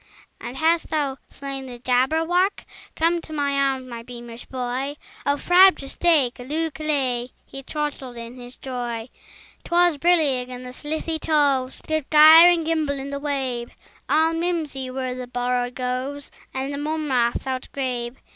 "And hast thou slain the Jabberwock? Come to my arms, my beamish boy! O frabjous day! Callooh! Callay!" He chortled in his joy. 'Twas brillig, and the slithy toves Did gyre and gimble in the wabe: All mimsy were the borogoves, And the mome raths outgrabe.